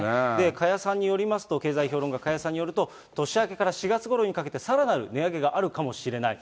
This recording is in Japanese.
加谷さんによりますと、経済評論家、加谷さんによりますと、年明けから４月ごろにかけて、さらなる値上げがあるかもしれない。